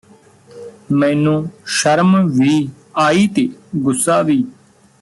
ਮੈਨੂੰ ਸ਼ਰਮ ਵੀ ਆਈ ਤੇ ਗੁੱਸਾ ਵੀ